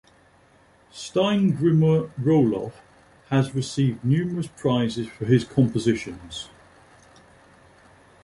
Steingrimur Rohloff has received numerous prizes for his compositions.